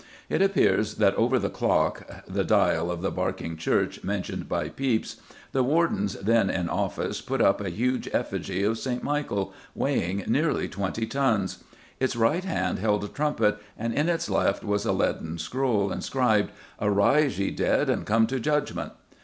It appears that over the clock (the "dyall of Barking Church," mentioned by Pepys) the wardens then in office put up a huge effigy of St. Michael, weighing nearly twenty tons. "Its right hand held a trumpet and in its left was a leaden scroll, inscribed, 'Arise, ye dead, and come to judgment.